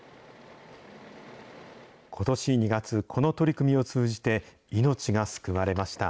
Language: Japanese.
ことし２月、この取り組みを通じて命が救われました。